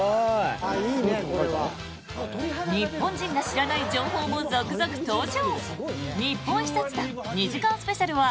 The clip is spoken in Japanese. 日本人が知らない情報も続々登場。